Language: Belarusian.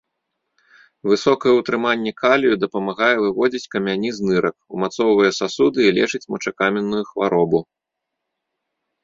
Высокае ўтрыманне калію дапамагае выводзіць камяні з нырак, умацоўвае сасуды і лечыць мочакаменную хваробу.